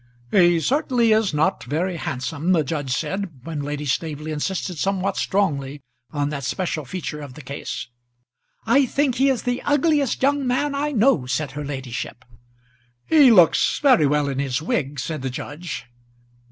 "He certainly is not very handsome," the judge said, when Lady Staveley insisted somewhat strongly on that special feature of the case. "I think he is the ugliest young man I know," said her ladyship. "He looks very well in his wig," said the judge.